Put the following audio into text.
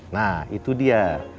nah itu dia